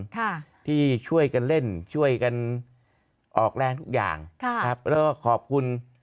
ค่ะที่ช่วยกันเล่นช่วยกันออกแรงทุกอย่างค่ะครับแล้วก็ขอบคุณ